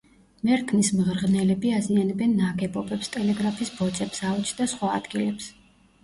მერქნის მღრღნელები აზიანებენ ნაგებობებს, ტელეგრაფის ბოძებს, ავეჯს და სხვა ადგილებს.